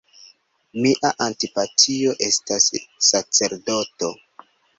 Mia antipatio estas sacerdoto.